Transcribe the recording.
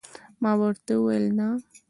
ما ورته وویل: نه.